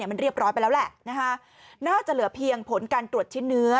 มันเรียบร้อยไปแล้วแหละน่าจะเหลือเพียงผลการตรวจชิ้นเนื้อ